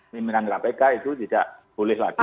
mimpinan rambeka itu tidak boleh lagi